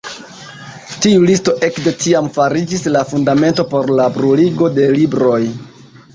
Tiu listo ekde tiam fariĝis la fundamento por la bruligo de libroj.